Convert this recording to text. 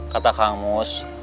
kata kang mus